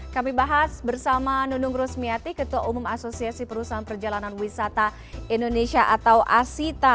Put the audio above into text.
kami bahas bersama nunung rusmiati ketua umum asosiasi perusahaan perjalanan wisata indonesia atau asita